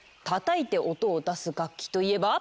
叩いて音を出す楽器といえば？